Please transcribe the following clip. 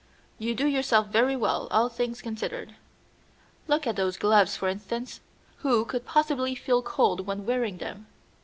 You do yourself very well, all things considered. Look at those gloves, for instance. Who could possibly feel cold when wearing them?"